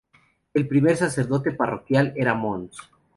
El primer sacerdote parroquial era Mons.